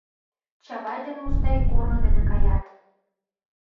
...Чавай ден Мустай корно дене каят.